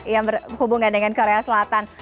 yang berhubungan dengan korea selatan